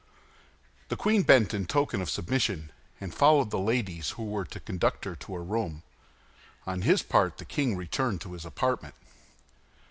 The queen bent in token of submission, and followed the ladies who were to conduct her to her room. On his part the king returned to his apartment.